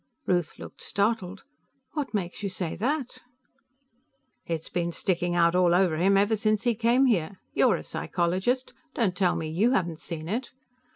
Ruth looked startled. "What makes you say that?" "It's been sticking out all over him ever since he came here. You're a psychologist; don't tell me you haven't seen it.